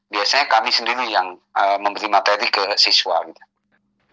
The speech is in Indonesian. biasanya kami sendiri yang memberi materi ke siswa gitu